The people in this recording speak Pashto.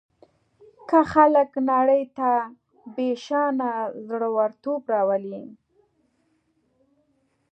که خلک نړۍ ته بېشانه زړه ورتوب راوړي.